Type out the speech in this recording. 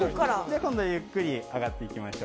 今度はゆっくり上がっていきましょう。